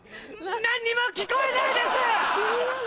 何にも聞こえないです！